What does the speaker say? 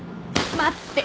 待って！